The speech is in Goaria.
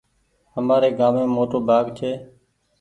همآري گھاميم موٽو بآگ ڇي